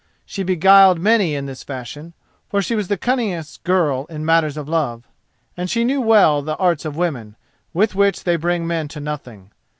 She beguiled many in this fashion, for she was the cunningest girl in matters of love, and she knew well the arts of women, with which they bring men to nothing.